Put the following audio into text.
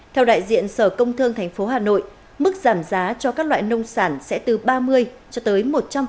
theo đại diện sở công thương tp hà nội mức giảm giá cho các loại nông sản sẽ từ ba mươi cho tới một trăm linh